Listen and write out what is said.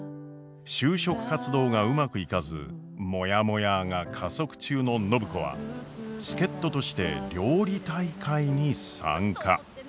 就職活動がうまくいかずもやもやーが加速中の暢子は助っ人として料理大会に参加。